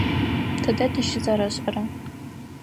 Тыдэ тыщызэрэшӏэра?